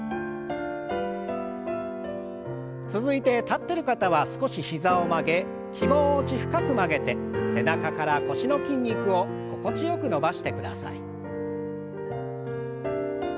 続いて立ってる方は少し膝を曲げ気持ち深く曲げて背中から腰の筋肉を心地よく伸ばしてください。